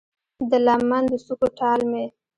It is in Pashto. د لمن د څوکو ټال مې